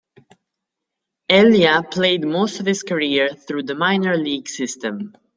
Elia played most of his career through the minor league system.